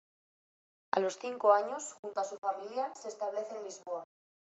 A los cinco años, junto a su familia, se establece en Lisboa.